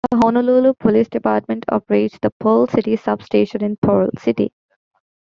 The Honolulu Police Department operates the Pearl City Substation in Pearl City.